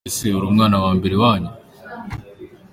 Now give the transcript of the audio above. Ese uri umwana wa mbere i wanyu?